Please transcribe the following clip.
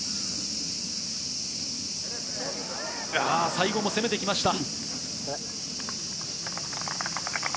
最後も攻めていきました。